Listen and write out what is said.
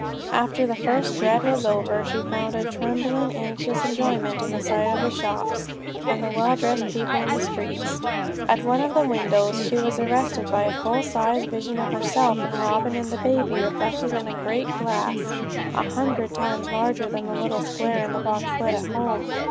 After the first dread was over, she found a trembling, anxious enjoyment in the sight of the shops, and of the well dressed people in the streets. At one of the windows she was arrested by a full size vision of herself, and Robin, and the baby, reflected in a great glass, a hundred times larger than the little square in the box lid at home.